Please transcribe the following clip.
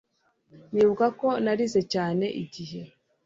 ndibuka ko narize cyane igihe